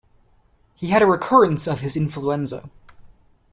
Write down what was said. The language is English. He had a recurrence of his influenza.